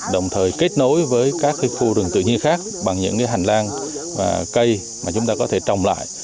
đồng thời kết nối với các khu rừng tự nhiên khác bằng những hành lang cây mà chúng ta có thể trồng lại